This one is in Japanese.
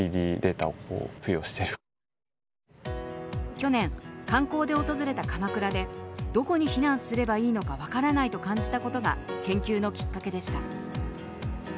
去年、観光で訪れた鎌倉でどこに避難すればいいのか分からないと感じたことが研究のきっかけでした。